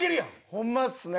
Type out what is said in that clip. ホンマですね。